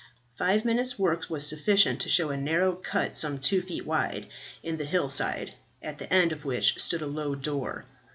Five minutes' work was sufficient to show a narrow cut, some two feet wide, in the hill side, at the end of which stood a low door.